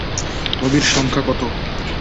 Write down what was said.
নবীর সংখ্যা কত?